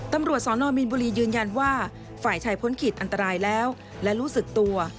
ตำรวจสนมีนบุรียืนยันว่าฝ่ายชายพ้นขีดอันตรายแล้วและรู้สึกตัว